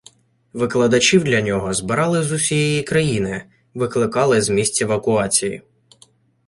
Викладачів для нього збирали з усієї країни, викликали з місць евакуації.